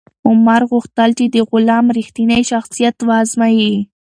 عمر غوښتل چې د غلام رښتینی شخصیت و ازمایي.